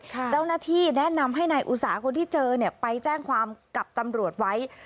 เจ้าหน้าที่แนะนำให้นายอุตสาคนที่เจอเนี่ยไปแจ้งความกับตำรวจไว้